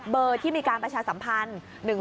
เบอร์ที่มีการประชาสัมพันธ์๑๖๖๘๑๖๖๙